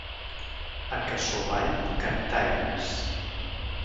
A Cassovall, cantaires.